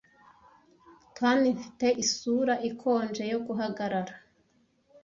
kandi mfite isura ikonje yo guhagarara